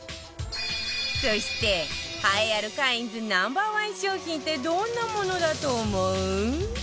そして栄えあるカインズ Ｎｏ．１ 商品ってどんなものだと思う？